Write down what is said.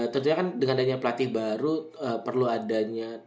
tentunya kan dengan adanya pelatih baru perlu adanya